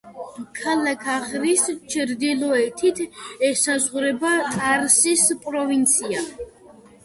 ქალაქ აღრის ჩრდილოეთით ესაზღვრება ყარსის პროვინცია.